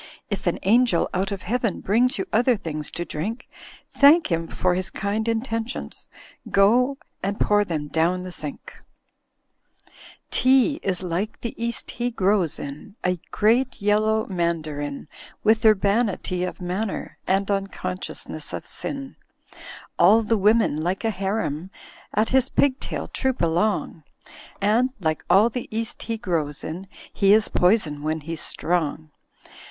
If an angel out of heaven Brings you other things to drink, Thank him for his kind intentions, Go snd, pour them down the sink. u,y:^.«u by Google 224 THE FLYING INN "Tea is like the East he grows in, A great yellow Mandarin, With urbanity of manner. And unccMisciousness of sin; All the women, like a harem. At his pig tail troop along. And, like all the East he grows in. He is Poison when he*s strong.